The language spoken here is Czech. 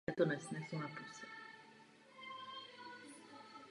Bytem se uvádí v Hořicích v Podkrkonoší.